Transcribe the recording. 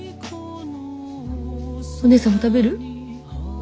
お姉さんも食べる？